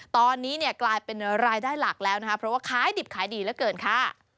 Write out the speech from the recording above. ตอนนี้เนี่ยกลายเป็นรายได้หลักแล้วนะคะเพราะว่าขายดิบขายดีเหลือเกินค่ะ